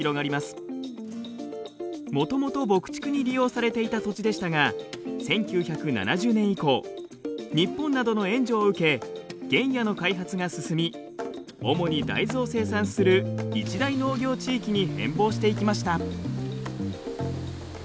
もともと牧畜に利用されていた土地でしたが１９７０年以降日本などの援助を受け原野の開発が進み主に大豆を生産する一大農業地域に変貌していきました。